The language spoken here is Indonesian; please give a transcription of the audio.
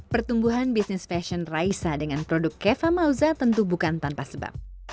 pertumbuhan bisnis fashion raisa dengan produk keva mauza tentu bukan tanpa sebab